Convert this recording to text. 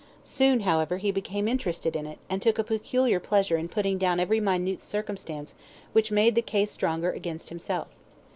Soon, however, he became interested in it, and took a peculiar pleasure in putting down every minute circumstance which made the case stronger against himself.